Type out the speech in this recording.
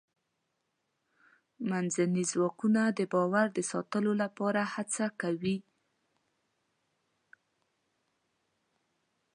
منځني ځواکونه د باور د ساتلو لپاره هڅه کوي.